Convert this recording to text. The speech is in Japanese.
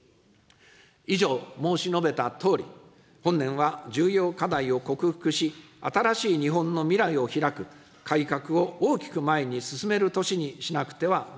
以上、申し述べたとおり、本年は重要課題を克服し、新しい日本の未来を拓く改革を大きく前に進める年にしなくてはな